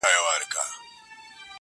بدرګه را سره ستوري وړمهیاره,